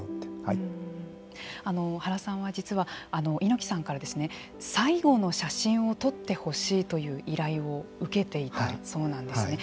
原さんは、実は猪木さんから最後の写真を撮ってほしいという依頼を受けていたそうなんですね。